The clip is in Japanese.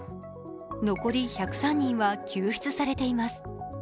残り１０３人は救出されています。